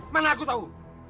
mana aku tahu